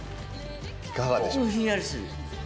いかがでしょう？